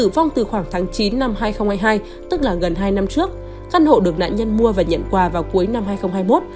vào năm hai nghìn hai mươi hai tức là gần hai năm trước căn hộ được nạn nhân mua và nhận quà vào cuối năm hai nghìn hai mươi một